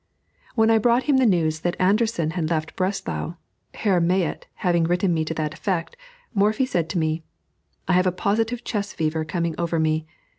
When I brought him the news that Anderssen had left Breslau, Herr Mayet having written me to that effect, Morphy said to me, "I have a positive chess fever coming over me.